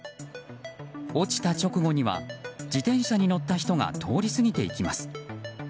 落ちた直後には自転車に乗った人が通り過ぎていきます。